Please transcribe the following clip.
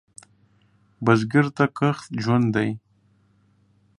بزګر ته کښت ژوند دی